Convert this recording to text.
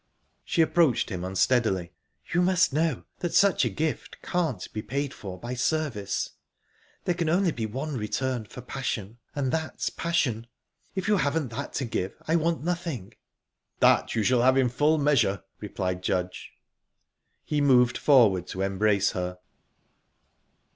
She approached him unsteadily. "You must know that such a gift can't be paid for by service. There can only be one return for passion, and that's passion. If you haven't that to give, I want nothing." "That you shall have in full measure," replied Judge. He moved forward to embrace her.